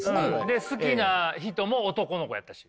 で好きな人も男の子やったし。